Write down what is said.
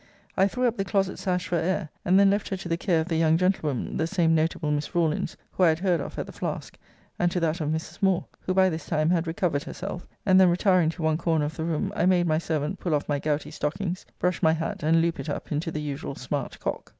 I threw up the closet sash for air, and then left her to the care of the young gentlewoman, the same notable Miss Rawlins, who I had heard of at the Flask: and to that of Mrs. Moore; who by this time had recovered herself; and then retiring to one corner of the room, I made my servant pull off my gouty stockings, brush my hat, and loop it up into the usual smart cock.